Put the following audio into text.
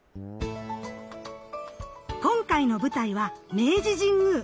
今回の舞台は明治神宮。